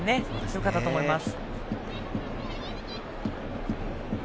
よかったと思います。